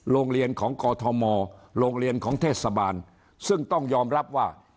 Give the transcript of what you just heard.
โรงเรียนของกอทมโรงเรียนของเทศบาลซึ่งต้องยอมรับว่า